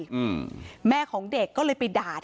พนักงานในร้าน